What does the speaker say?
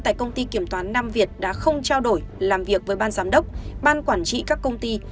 tại công ty kiểm toán nam việt đã không trao đổi làm việc với ban giám đốc ban quản trị các công ty